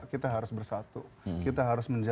kita harus bersatu kita harus menjaga